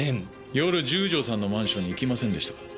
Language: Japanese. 夜十条さんのマンションに行きませんでしたか？